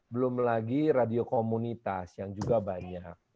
belum lagi radio komunitas yang juga banyak